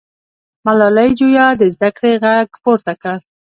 ملالۍ جویا د زده کړې غږ پورته کړ.